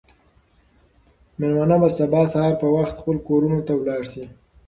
مېلمانه به سبا سهار په وخت خپلو کورونو ته لاړ شي.